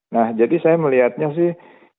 nah jadi saya melihatnya sih